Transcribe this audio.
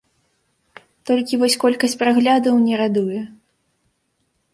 Толькі вось колькасць праглядаў не радуе.